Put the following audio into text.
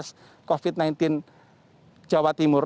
satgas covid sembilan belas jawa timur